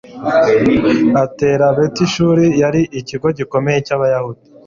atera betishuri yari ikigo gikomeye cy'abayahudi